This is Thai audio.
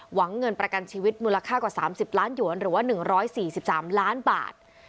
เงินประกันชีวิตมูลค่ากว่า๓๐ล้านหยวนหรือว่า๑๔๓ล้านบาท